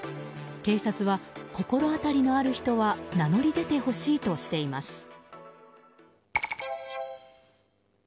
警察は、心当たりのある人は名乗り出てほしいとしています。